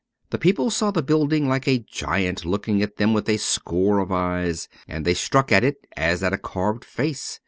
The people saw the building like a giant looking at them with a score of eyes, and they struck at it as at a carved face.